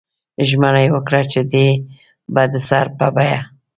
ژمنه یې وکړه چې دی به د سر په بیه.